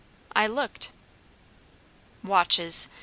"I looked." "Watches!"